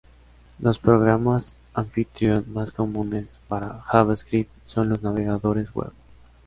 Los programas anfitrión más comunes para JavaScript son los navegadores web.